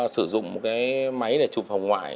sử dụng một cái máy để chụp hồng ngoại